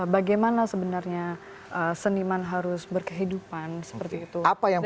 bagaimana sebenarnya seniman harus berkehidupan seperti itu